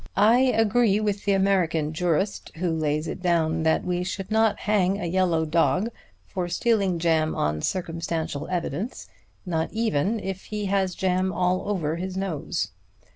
I agree with the American jurist who lays it down that we should not hang a yellow dog for stealing jam on circumstantial evidence, not even if he has jam all over his nose.